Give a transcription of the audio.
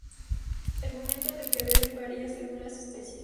El momento en el que beben varía según las especies.